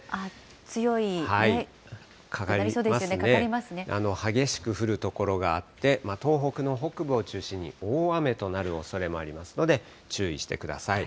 強い、激しく降る所があって、東北の北部を中心に大雨となるおそれもありますので、注意してください。